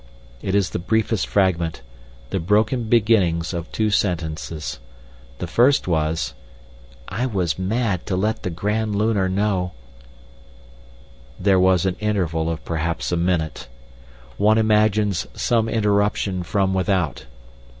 It is the briefest fragment, the broken beginnings of two sentences. The first was: "I was mad to let the Grand Lunar know—" There was an interval of perhaps a minute. One imagines some interruption from without.